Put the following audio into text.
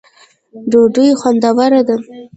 ډوډۍ خوندوره ده